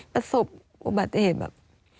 ประสบอุบัติเหตุแบบ